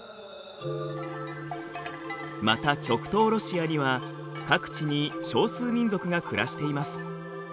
また極東ロシアには各地に少数民族が暮らしています。